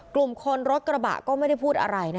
กลุ่มคนรถกระบะก็ไม่ได้พูดอะไร